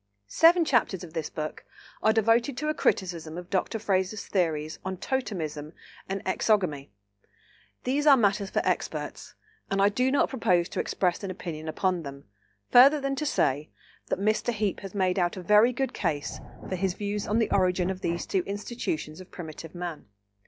Seven chapters of this book are devoted to a criticism of Dr. Frazer's theories on totemism and exogamy. These are matters for experts, and I do not propose to express an opinion upon them, further than to say that Mr. Heape has made out a very good case for his views on the origin of these two institutions of primitive man.